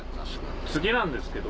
次なんですけど。